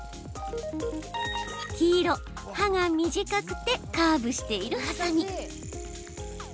黄色・刃が短くてカーブしているハサミ。